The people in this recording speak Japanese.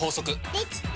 できた！